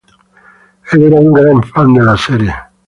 Él era un gran fan de la serie.